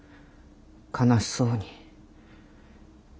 悲しそうに。